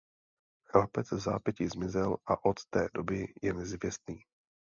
Chlapec vzápětí zmizel a od té doby je nezvěstný.